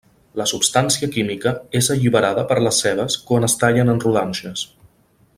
La substància química és alliberada per les cebes quan es tallen en rodanxes.